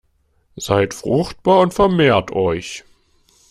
Seid fruchtbar und vermehrt euch!